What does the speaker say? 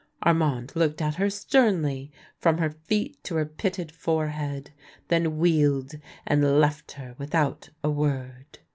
Armand looked at her sternly, from her feet to her pit ted forehead, then wheeled, and left her without a word.